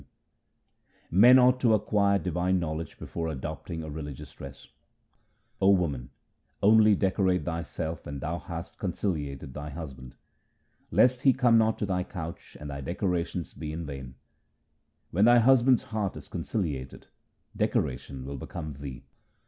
HYMNS OF GURU AMAR DAS 229 Men ought to acquire divine knowledge before adopting a religious dress :— 0 woman, only decorate thyself when thou hast conciliated thy Husband, Lest He come not to thy couch and thy decorations be in vain. When thy Husband's heart is conciliated, decoration will become thee.